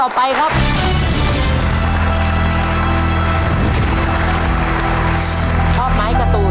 และตัวเลือกที่สี่๓๓๕ตารางกิโลเมตร